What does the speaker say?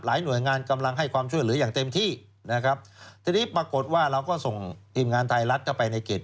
หน่วยงานกำลังให้ความช่วยเหลืออย่างเต็มที่นะครับทีนี้ปรากฏว่าเราก็ส่งทีมงานไทยรัฐเข้าไปในเขต